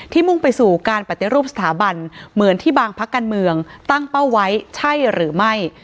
มุ่งไปสู่การปฏิรูปสถาบันเหมือนที่บางพักการเมืองตั้งเป้าไว้ใช่หรือไม่